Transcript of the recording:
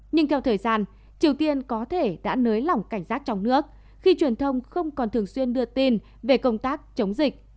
nhưng theo thời gian triều tiên có thể đã nới lỏng cảnh giác trong nước khi truyền thông không còn thường xuyên đưa tin về công tác chống dịch